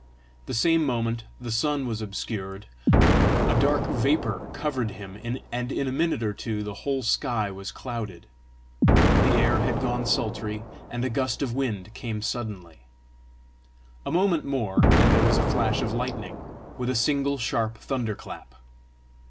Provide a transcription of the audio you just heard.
The same moment the sun was obscured; a dark vapour covered him, and in a minute or two the whole sky was clouded. The air had grown sultry, and a gust of wind came suddenly. A moment more and there was a flash of lightning, with a single sharp thunder clap.